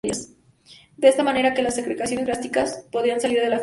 De manera que las secreciones gástricas podían salir por la fístula.